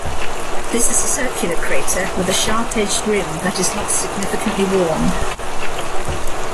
This is a circular crater with a sharp-edged rim that is not significantly worn.